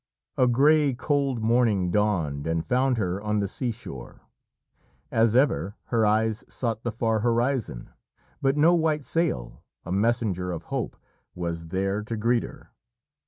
A grey, cold morning dawned and found her on the seashore. As ever, her eyes sought the far horizon, but no white sail, a messenger of hope, was there to greet her.